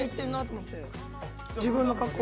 自分の格好。